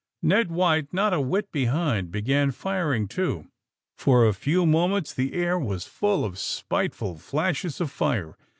Ned White, not a whit behind, began firing, too. For a few moments the air was full of spiteful flashes of fire.